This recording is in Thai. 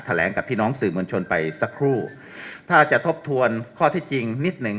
แหลงกับพี่น้องสื่อมวลชนไปสักครู่ถ้าจะทบทวนข้อที่จริงนิดหนึ่ง